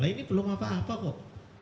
ini belum apa apa kok